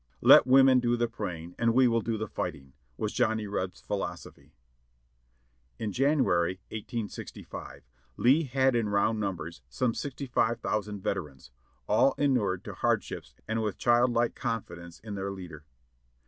"Let women do the praying and we will do the fighting." was Johnny Reb's philosophy. In January, 1865, Lee had in round numbers some 65,000 vet erans, all inured to hardships and with childlike confidence in their leader.